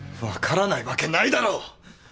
分からないわけないだろ！